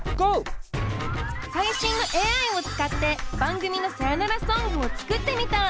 最新のＡＩを使って番組のさよならソングを作ってみた。